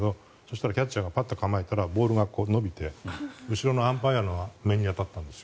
したらキャッチャーがパッと構えたらボールが伸びて後ろのアンパイアの面に当たったんです。